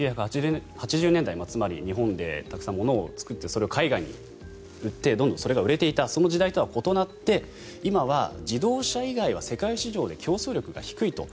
１９８０年代つまり日本でたくさん物を作ってそれを海外に売ってどんどんそれが売れていたその時代とは異なって今は自動車以外は世界市場で競争力が低いと。